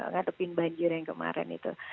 ngadepin banjir yang kemarin itu